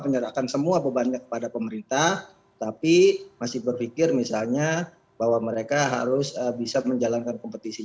menyerahkan semua bebannya kepada pemerintah tapi masih berpikir misalnya bahwa mereka harus bisa menjalankan kompetisi